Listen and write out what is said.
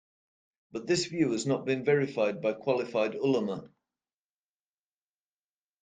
But this view has not been verified by qualified ulama.